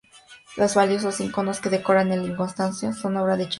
Los valiosos iconos que decoran el iconostasio son obra de James Marshall.